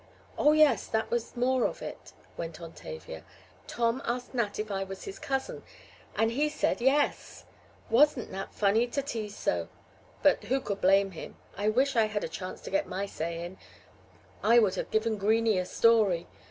"Oh, yes, and that was more of it," went on Tavia. "Tom asked Nat if I was his cousin and he said yes. Wasn't Nat funny to tease so? But who could blame him? I wish I had a chance to get my say in, I would have given Greenie a story!